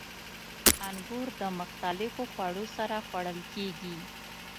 • انګور د مختلفو خوړو سره خوړل کېږي.